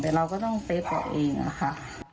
แต่เราก็ต้องเซฟออกเองอะค่ะ